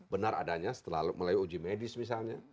benar adanya setelah melalui uji medis misalnya